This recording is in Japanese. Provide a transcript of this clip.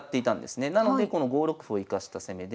なのでこの５六歩を生かした攻めで。